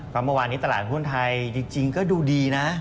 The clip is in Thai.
เพราะเมื่อวานนี้ตลาดหุ้นไทยจริงก็ดูดีนะ